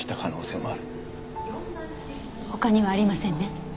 他にはありませんね？